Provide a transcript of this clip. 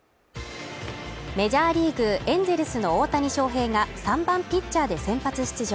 メジャーリーグエンゼルスの大谷翔平が３番ピッチャーで先発出場。